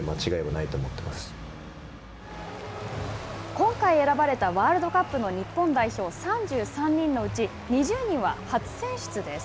今回選ばれたワールドカップの日本代表３３人のうち２０人は初選出です。